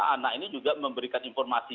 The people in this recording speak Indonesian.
anak ini juga memberikan informasi